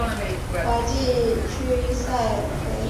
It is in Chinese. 瓦地区塞尔维耶。